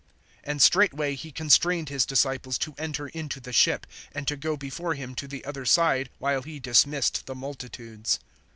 (22)And straightway he constrained his disciples to enter into the ship, and to go before him to the other side, while he dismissed the multitudes.